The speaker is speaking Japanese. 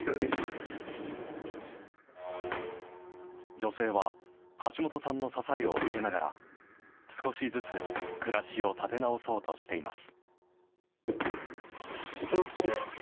女性は、橋本さんの支えを受けながら、少しずつ暮らしを立て直そうとしています。